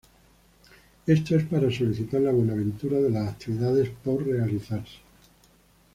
Esto es para solicitar la buenaventura de las actividades por realizarse.